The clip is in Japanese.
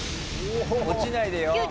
落ちないでよ。